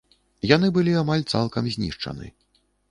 Яны былі амаль цалкам знішчаны.